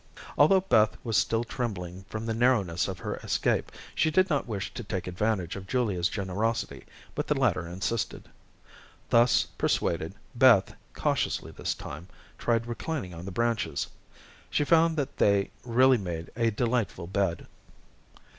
Although Beth was still trembling from the narrowness of her escape, she did not wish to take advantage of Julia's generosity, but the latter insisted. Thus persuaded, Beth, cautiously this time, tried reclining on the branches. She found that they really made a delightful bed.